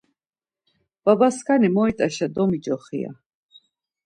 Baba skani moit̆aşa domicoxi ya.